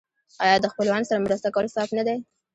آیا د خپلوانو سره مرسته کول ثواب نه دی؟